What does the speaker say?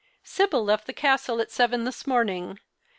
" Sibyl left the castle at seven this morning.